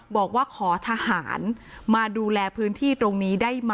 บอกว่าขอทหารมาดูแลพื้นที่ตรงนี้ได้ไหม